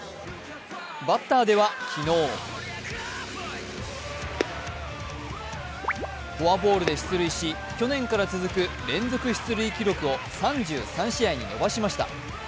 バッターでは昨日フォアボールで出塁し去年から続く連続出塁記録を３３試合に伸ばしました。